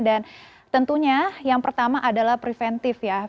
dan tentunya yang pertama adalah preventif ya